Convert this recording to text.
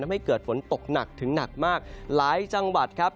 ให้เกิดฝนตกหนักถึงหนักมากหลายจังหวัดครับ